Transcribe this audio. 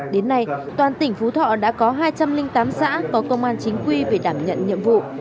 đến nay toàn tỉnh phú thọ đã có hai trăm linh tám xã có công an chính quy về đảm nhận nhiệm vụ